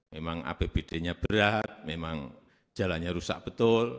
memang apbd nya berat memang jalannya rusak betul